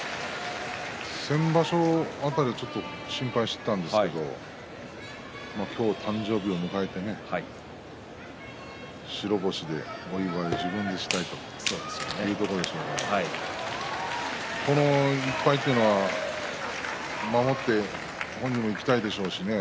先場所辺りは心配していたんですけど今日、誕生日を迎えてね白星でお祝いを自分でしたいということでしょうからこの１敗というのは守って本人もいきたいでしょうしね。